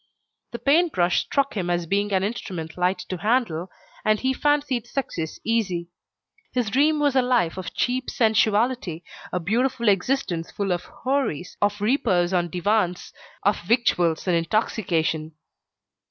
The paint brush struck him as being an instrument light to handle, and he fancied success easy. His dream was a life of cheap sensuality, a beautiful existence full of houris, of repose on divans, of victuals and intoxication.